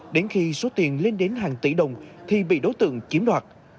đến khi số tiền lên đến hàng tỷ đồng thì bị đối tượng chiếm đoạt